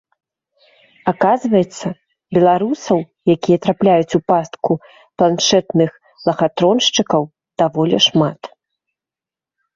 Аказваецца, беларусаў, якія трапляюць у пастку планшэтных лахатроншчыкаў, даволі шмат.